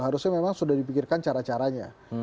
harusnya memang sudah dipikirkan cara caranya